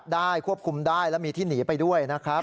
ได้ควบคุมได้และมีที่หนีไปด้วยนะครับ